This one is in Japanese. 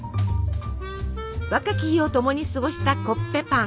若き日を共に過ごしたコッペパン。